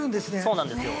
そうなんですよ。